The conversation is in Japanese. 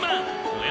おや？